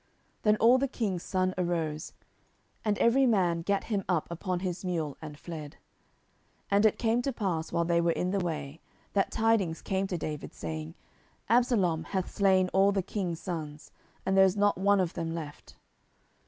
Then all the king's sons arose, and every man gat him up upon his mule, and fled. 10:013:030 And it came to pass, while they were in the way, that tidings came to David, saying, Absalom hath slain all the king's sons, and there is not one of them left.